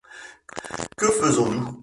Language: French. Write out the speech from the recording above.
Que faisons-nous ?